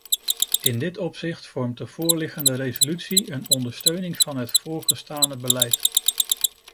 In dit opzicht vormt de voorliggende resolutie een ondersteuning van het voorgestane beleid.